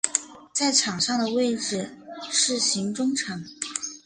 在场上的位置是型中场。